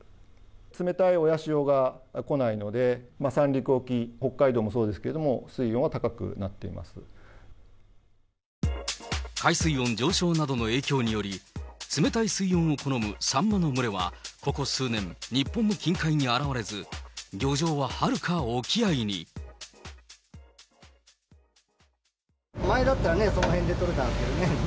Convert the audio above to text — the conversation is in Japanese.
冷たい親潮が来ないので、三陸沖、北海道もそうですけど、海水温上昇などの影響により、冷たい水温を好むサンマの群れはここ数年、日本の近海に現れず、前だったらね、その辺で取れたんですけどね。